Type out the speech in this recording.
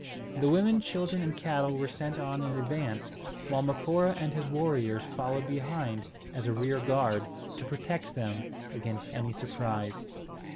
The women, children, and cattle were sent on in advance, while Macora and his warriors followed behind as a rear guard, to protect them against any surprise.